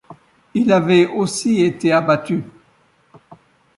Il avait aussi été abattu.